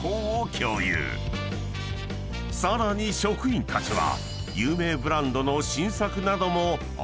［さらに職員たちは］